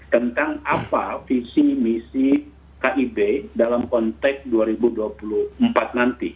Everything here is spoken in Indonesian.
tentang apa visi misi kib dalam konteks dua ribu dua puluh empat nanti